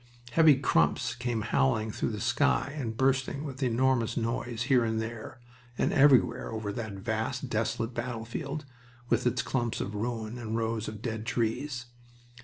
Heavy crumps came howling through the sky and bursting with enormous noise here, there, and everywhere over that vast, desolate battlefield, with its clumps of ruin and rows of dead trees.